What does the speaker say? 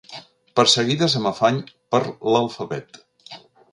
Perseguides amb afany per l'alfabet.